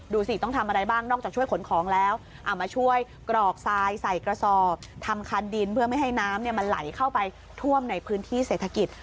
สิต้องทำอะไรบ้างนอกจากช่วยขนของแล้วเอามาช่วยกรอกทรายใส่กระสอบทำคันดินเพื่อไม่ให้น้ำมันไหลเข้าไปท่วมในพื้นที่เศรษฐกิจ